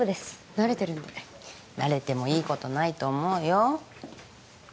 慣れてるんで慣れてもいいことないと思うよ